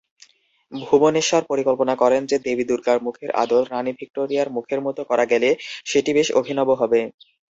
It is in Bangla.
ভুবনেশ্বর পরিকল্পনা করেন যে দেবী দুর্গার মুখের আদল রানী ভিক্টোরিয়ার মুখের মত করা গেলে সেটি বেশ অভিনব হবে।